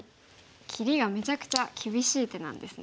切りがめちゃくちゃ厳しい手なんですね。